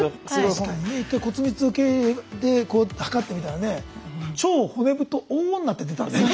確かにね１回骨密度計で測ってみたらね「超骨太大女」って出たんだよね。